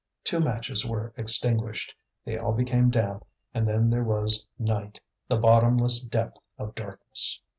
Two matches were extinguished. They all became damp and then there was night, the bottomless depth of darkness.